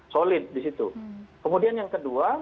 solid di situ kemudian yang kedua